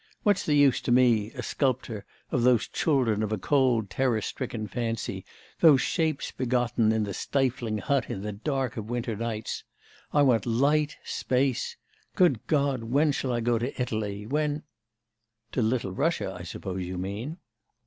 _ What's the use to me a sculptor of those children of a cold, terror stricken fancy, those shapes begotten in the stifling hut, in the dark of winter nights? I want light, space.... Good God, when shall I go to Italy? When ' 'To Little Russia, I suppose you mean?